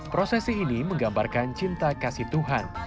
prosesi ini menggambarkan cinta kasih tuhan